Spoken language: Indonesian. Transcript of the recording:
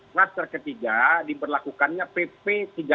klaster ketiga diberlakukannya pp tiga puluh enam